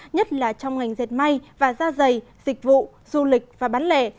nhất là trong ngành dệt may và da dày dịch vụ du lịch và bán lẻ